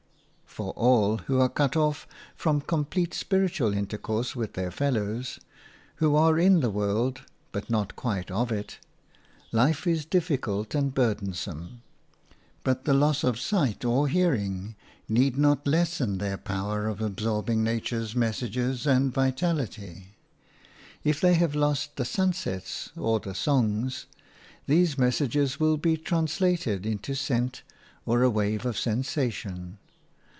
For all who are cut off from complete spiritual intercourse with their fellows – who are in the world, but not quite of it – life is difficult and burdensome. But the loss of sight or hearing need not lessen their power of absorbing nature's messages and vitality; if they have lost the sunsets or the songs, these messages will be translated into a scent or a wave of sensation.